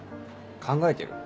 考えてる？